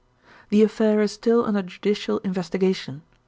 "The affair is still under judicial investigation.